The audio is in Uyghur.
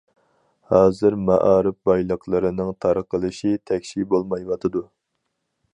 ھازىر مائارىپ بايلىقلىرىنىڭ تارقىلىشى تەكشى بولمايۋاتىدۇ.